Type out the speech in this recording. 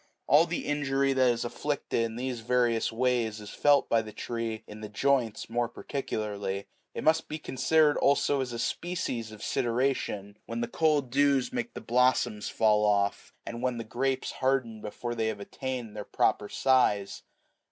All the injury that is inflicted in these various ways is felt by the tree in the joints more particularly. It must be considered also as a species of sideration, when the cold dews make the blossoms fall off, and when the grapes harden97 before they have attained their proper size.